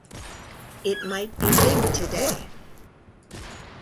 It might be big today.